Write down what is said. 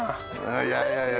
いやいやいや。